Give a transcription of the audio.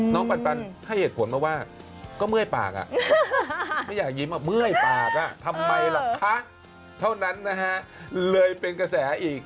ปันให้เหตุผลมาว่าก็เมื่อยปากไม่อยากยิ้มเมื่อยปากทำไมล่ะคะเท่านั้นนะฮะเลยเป็นกระแสอีก